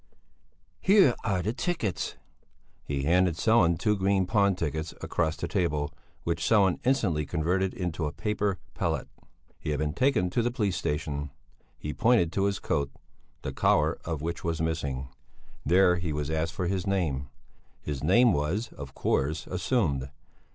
"Here are the tickets!" He handed Sellén two green pawn tickets across the table, which Sellén instantly converted into a paper pellet. He had been taken to the police station. He pointed to his coat, the collar of which was missing. There he was asked for his name. His name was, of course, assumed!